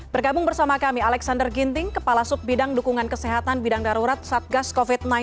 bergabung bersama kami alexander ginting kepala sub bidang dukungan kesehatan bidang darurat satgas covid sembilan belas